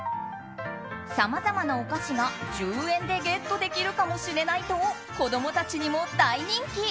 さまざまなお菓子が１０円でゲットできるかもしれないと子供たちにも大人気。